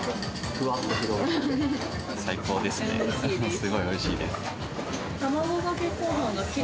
すごいおいしいです。